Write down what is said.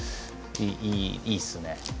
いいっすね。